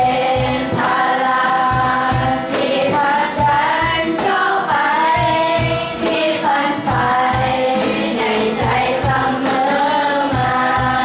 เป็นภาระที่พักกันเข้าไปที่ฝันไฟมีในใจเสมอมา